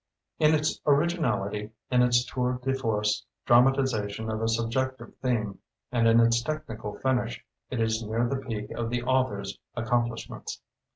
In it originality, in its tour de force dramatization of a subjective theme, and in its technical finish, it is near the peak of the author's accom plishments.